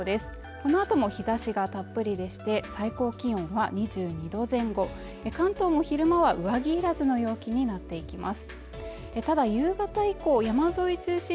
このあとも日差しがたっぷりでして、最高気温は２２度前後関東も昼間は上着要らずの陽気になっていきます